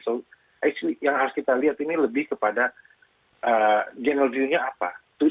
jadi yang harus kita lihat ini lebih kepada general view nya apa